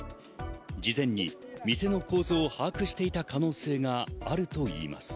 事前に店の構造を把握していた可能性があるといいます。